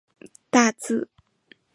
大字是以后成为党总裁的人物